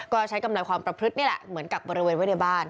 ก็ใช้กำลังความประพฤตินี่แหละเหมือนกักบริเวณไว้ในบ้าน